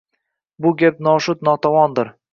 Bu gap noshud-notavondir.